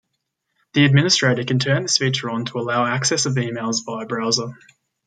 The administrator can turn this feature on to allow access of emails via browser.